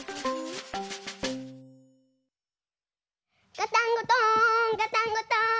ガタンゴトーンガタンゴトーン。